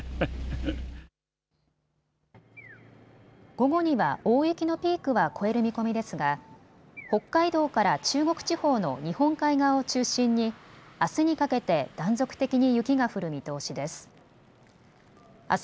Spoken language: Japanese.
午後には大雪のピークは越える見込みですが北海道から中国地方の日本海側を中心にあすにかけて断続的に雪が降る見通しです。